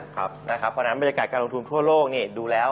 เพราะฉะนั้นบรรยากาศการลงทุนทั่วโลกดูแล้ว